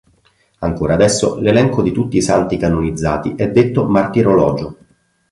Ancora adesso l'elenco di tutti i santi canonizzati è detto martirologio.